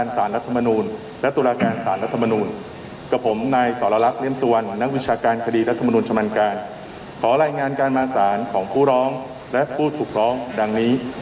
สารมาศาลของผู้ร้องและผู้ถูกร้อง